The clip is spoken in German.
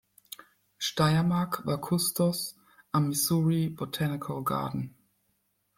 Steyermark war Kustos am Missouri Botanical Garden.